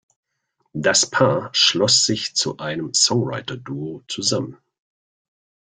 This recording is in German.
Das Paar schloss sich zu einem Songwriter-Duo zusammen.